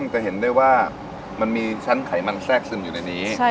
จะเห็นได้ว่ามันมีชั้นไขมันแทรกซึมอยู่ในนี้